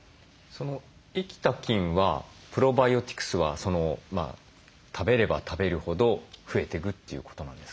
生きた菌はプロバイオティクスは食べれば食べるほど増えていくということなんですか？